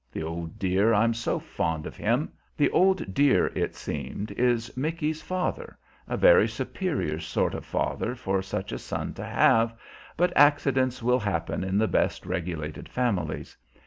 The old dear! I'm so fond of him!" The "old dear," it seems, is Micky's father a very superior sort of father for such a son to have, but accidents will happen in the best regulated families.